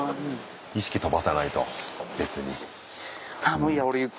意識飛ばさないと別に。